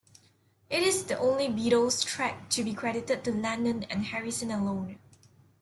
It is the only Beatles track to be credited to Lennon and Harrison alone.